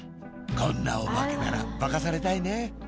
こんなおばけなら化かされたいねハハっ！